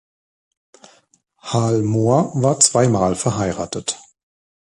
Hal Mohr war zwei Mal verheiratet.